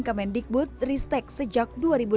kemendikbud ristek sejak dua ribu delapan belas